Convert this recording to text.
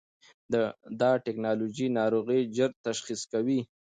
دا ټېکنالوژي ناروغي ژر تشخیص کوي.